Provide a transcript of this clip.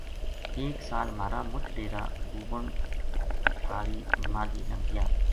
ایک سال مھارا مُچ ڈیرا بُوبن ہال ماہلی نا گیا